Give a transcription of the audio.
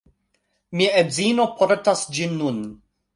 Mia edzino portas ĝin nun